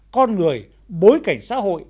con người bối cảnh xã hội